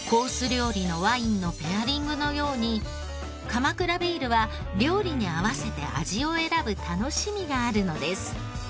料理のワインのペアリングのように鎌倉ビールは料理に合わせて味を選ぶ楽しみがあるのです。